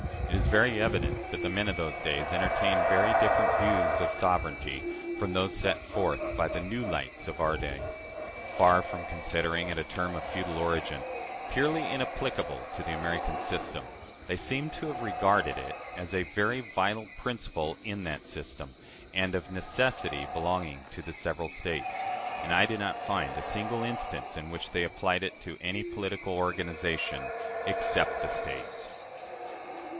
It is very evident that the "men of those days" entertained very different views of sovereignty from those set forth by the "new lights" of our day. Far from considering it a term of feudal origin, "purely inapplicable to the American system," they seem to have regarded it as a very vital principle in that system, and of necessity belonging to the several States and I do not find a single instance in which they applied it to any political organization, except the States.